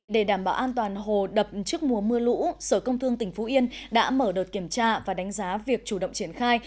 để đảm bảo an toàn hồ đập trước mùa mưa lũ sở công thương tỉnh phú yên đã mở đợt kiểm tra và đánh giá việc chủ động triển khai